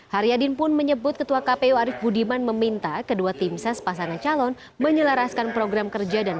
haryadin pun menyebut ketua kpu arief budiman meminta kedua tim ses pasangan calon menyelaraskan program kerja dan